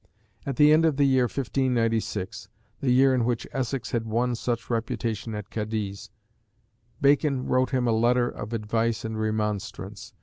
At the end of the year 1596, the year in which Essex had won such reputation at Cadiz, Bacon wrote him a letter of advice and remonstrance.